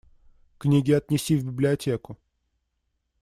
Книги отнеси в библиотеку.